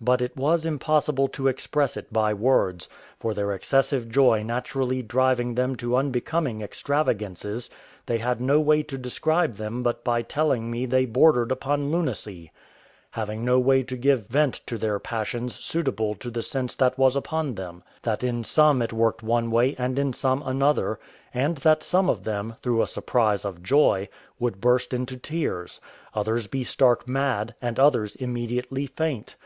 But it was impossible to express it by words, for their excessive joy naturally driving them to unbecoming extravagances, they had no way to describe them but by telling me they bordered upon lunacy, having no way to give vent to their passions suitable to the sense that was upon them; that in some it worked one way and in some another; and that some of them, through a surprise of joy, would burst into tears, others be stark mad, and others immediately faint.